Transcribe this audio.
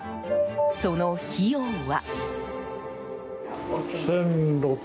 その費用は。